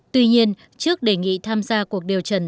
tuy nhiên trước đề nghị tham gia cuộc điều trần